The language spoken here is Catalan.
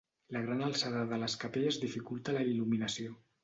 La gran alçada de les capelles dificulta la il·luminació.